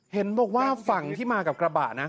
เห็นบอกว่าฝั่งที่มากับกระบะนะ